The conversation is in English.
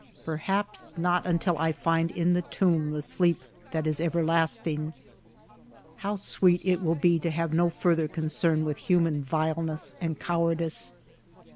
Perhaps not until I find in the tomb tlie sleep that is everlasting. How sweet it will be to have no further concern with human vileness and cowardice